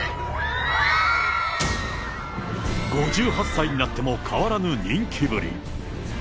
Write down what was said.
５８歳になっても変わらぬ人気ぶり。